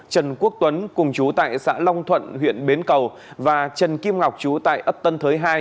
trần quốc tuấn cùng chú tại xã long thuận huyện bến cầu và trần kim ngọc chú tại ấp tân thới hai